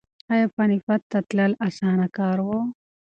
ایا پاني پت ته تلل اسانه کار و؟